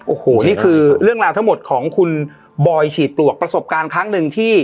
โอ้โหนี่คือเรื่องราวทั้งหมดของคุณบอยฉีดปลวกประสบการณ์ครั้งหนึ่งที่